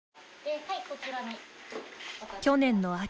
去年の秋。